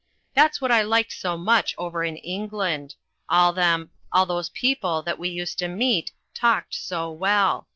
That's what I liked so much over in England. All them all those people that we used to meet talked so well.